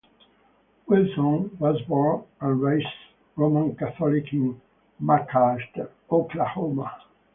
Wilson was born and raised Roman Catholic in McAlester, Oklahoma.